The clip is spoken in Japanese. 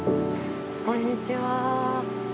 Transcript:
こんにちは。